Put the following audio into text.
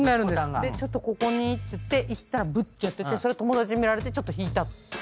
「ちょっとここに」っていったらブッてやっててそれ友達に見られてちょっと引いた。